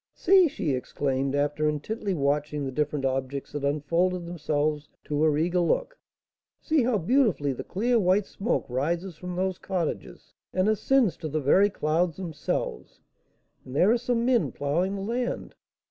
"See!" she exclaimed, after intently watching the different objects that unfolded themselves to her eager look, "see how beautifully the clear white smoke rises from those cottages, and ascends to the very clouds themselves; and there are some men ploughing the land.